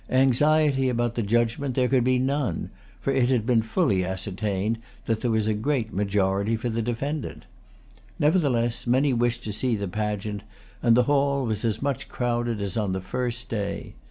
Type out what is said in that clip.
Anxiety about the judgment there could be none; for it had been fully ascertained that there was a great majority for the defendant. Nevertheless, many wished to see the pageant, and the hall was as much crowded as on the first day.